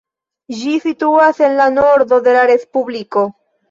Ĝi situas en la nordo de la respubliko.